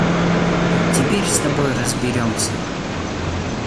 Теперь с тобой разберемся.